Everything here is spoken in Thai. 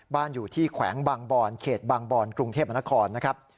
บ้านอยู่ที่แขวงบางบอนเขตบางบอนกรุงเทพมนครนะครับ